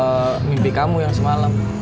itu mimpi kamu yang semalam